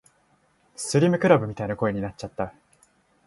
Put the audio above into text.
スリムクラブみたいな声になっちゃった